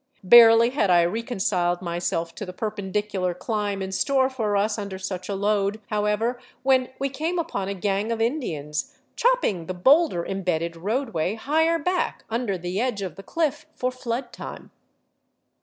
Barely had I reconciled myself to the perpendicular climb in store for us under such a load, however, when we came upon a gang of Indians chopping the boulder imbedded roadway higher back under the edge of the cliff for flood time.